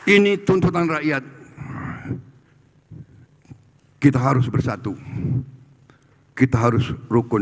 ini tuntutan rakyat kita harus bersatu kita harus rukun